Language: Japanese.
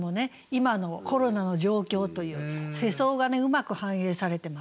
今のコロナの状況という世相がねうまく反映されてますよね。